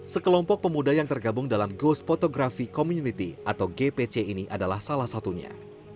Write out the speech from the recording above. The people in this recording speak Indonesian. sekelompok pemuda yang tergabung dalam ghost photography community atau gpc ini adalah salah satunya